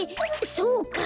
そうか。